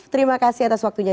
terima kasih atas waktunya